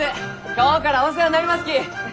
今日からお世話になりますき！